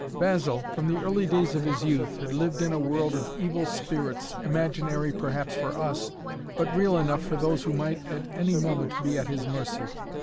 Basil, from the early days of his youth, had lived in a world of evil spirits, imaginary perhaps for us, but real enough for those who might at any moment be at his mercy.